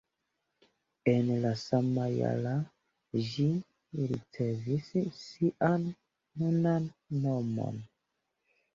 En la sama jara ĝi ricevis sian nunan nomon.